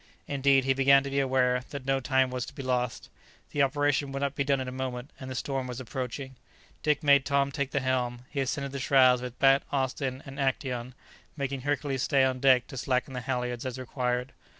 Indeed, he began to be aware that no time was to be lost. The operation would not be done in a moment, and the storm was approaching. Dick made Tom take the helm; he ascended the shrouds with Bat, Austin, and Actæon, making Hercules stay on deck to slacken the halyards as required.